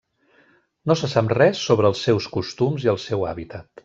No se sap res sobre els seus costums i el seu hàbitat.